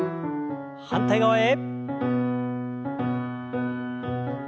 反対側へ。